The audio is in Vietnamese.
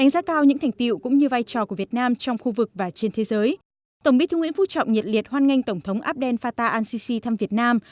tổng bí thư nguyễn phú trọng nhiệt liệt hoan nghênh tổng thống abdel fattah al sisi thăm việt nam